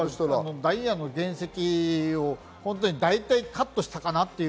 ダイヤの原石を大体カットしたかなという。